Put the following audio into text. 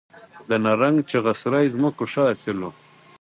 د نرنګ، چغه سرای ځمکو ښه حاصل و